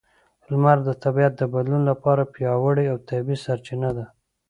لمر د طبیعت د بدلون لپاره پیاوړې او طبیعي سرچینه ده.